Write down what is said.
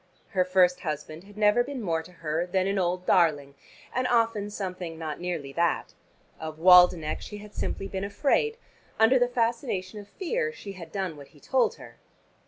Her first husband had never been more to her than "an old darling," and often something not nearly that. Of Waldenech she had simply been afraid: under the fascination of fear she had done what he told her.